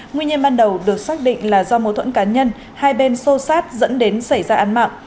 nguyên nhân ban đầu được xác định là do mối thuẫn cá nhân hai bên xô sát dẫn đến xảy ra án mạng